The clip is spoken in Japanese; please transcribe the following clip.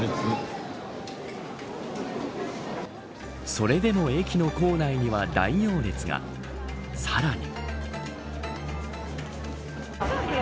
それでも駅の構内には大行列がさらに。